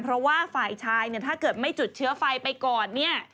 เพราะว่าฝ่ายชายถ้าเกิดไม่จุดเชื้อไฟไปก่อน